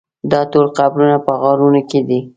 دا ټول قبرونه په غارونو کې دي.